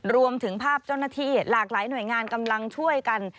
รวมถึงภาพเจ้าหน้าที่หลากหลายหน่วยงานกำลังช่วยกัน